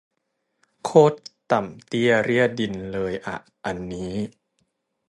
โคตรต่ำเตี้ยเรี่ยดินเลยอะอันนี้